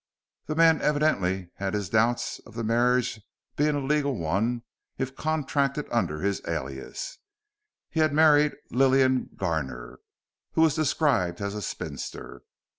The man evidently had his doubts of the marriage being a legal one if contracted under his alias. He had married Lillian Garner, who was described as a spinster.